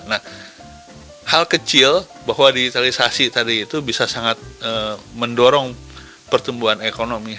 nah hal kecil bahwa digitalisasi tadi itu bisa sangat mendorong pertumbuhan ekonomi